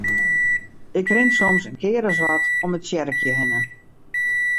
Ik rin soms in kear as wat om it tsjerkje hinne.